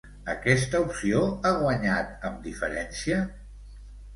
Aquesta opció ha guanyat amb diferència?